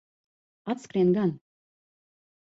Atskrien gan.